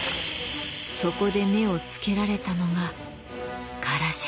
そこで目をつけられたのがガラシャでした。